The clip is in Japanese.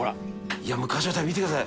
い昔の人は見てください。